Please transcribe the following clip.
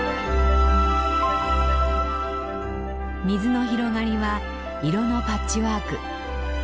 水の広がりは色のパッチワーク。